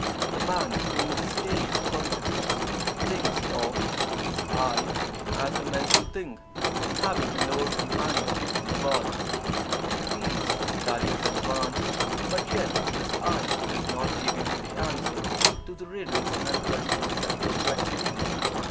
The man in this stage of consciousness thinks of his "I" as a mental thing, having a lower companion, the body. He feels that he has advanced, but yet his "I" does not give him the answer to the riddles and questions that perplex him.